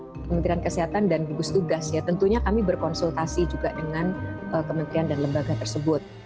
kementerian kesehatan dan gugus tugas ya tentunya kami berkonsultasi juga dengan kementerian dan lembaga tersebut